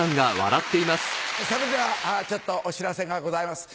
それではちょっとお知らせがございます。